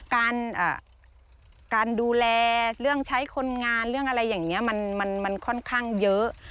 การดูแลเรื่องใช้คนงานเรื่องอะไรอย่างนี้มันค่อนข้างเยอะ